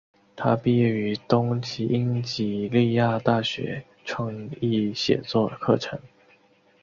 她毕业于东英吉利亚大学创意写作课程。